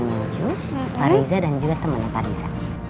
nujus pak riza dan juga temannya pak riza